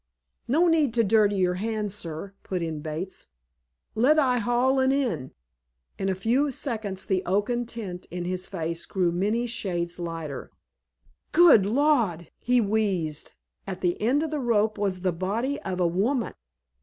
"No need to dirty your hands, sir," put in Bates. "Let I haul 'un in." In a few seconds the oaken tint in his face grew many shades lighter. "Good Gawd!" he wheezed. At the end of the rope was the body of a woman.